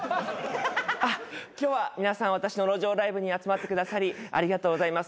今日は皆さん私の路上ライブに集まってくださりありがとうございます。